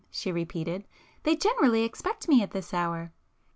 she repeated—"They generally expect me at this hour!"